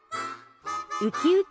ウキウキ！